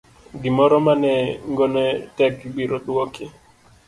gimoro ma nengone tek ibiro duoki.